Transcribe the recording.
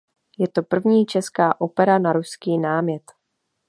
Je to první česká opera na ruský námět.